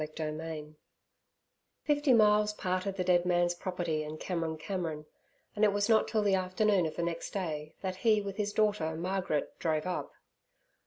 Chapter 2 FIFTY miles parted the dead man's property and Cameron Cameron, and it was not till the afternoon of the next day that he with his daughter Margaret drove up.